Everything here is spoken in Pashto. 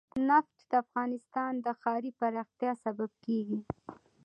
نفت د افغانستان د ښاري پراختیا سبب کېږي.